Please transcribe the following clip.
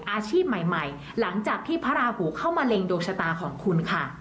อาชีพใหม่หลังจากที่พระราหูเข้ามาเล็งดวงชะตาของคุณค่ะ